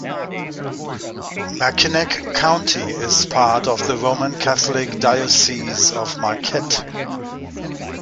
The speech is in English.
Mackinac County is part of the Roman Catholic Diocese of Marquette.